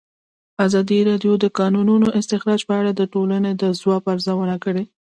ازادي راډیو د د کانونو استخراج په اړه د ټولنې د ځواب ارزونه کړې.